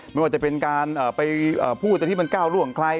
ไม่ว่าจะเป็นการไปพูดตัวที่บันกล้าวรู้ของใคร